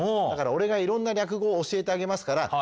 だから俺がいろんな略語を教えてあげますから。